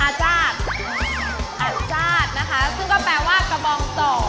อาจารย์อัดชาตินะคะซึ่งก็แปลว่ากระบองโต